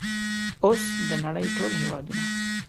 اوس د نړۍ ټول هیوادونه